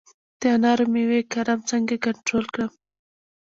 د انارو د میوې کرم څنګه کنټرول کړم؟